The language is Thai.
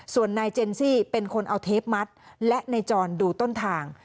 ส่วนนายเจนซี่เป็นคนเอาเทปมัดและนายจรดูต้นทาง